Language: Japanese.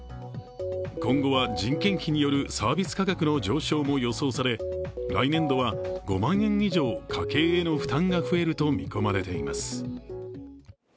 今後は人件費によるサービス価格の上昇も予想され来年度は５万円以上、家計への負担が増えると見込まれています。